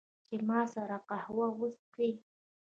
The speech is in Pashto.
چې، زما سره قهوه وچښي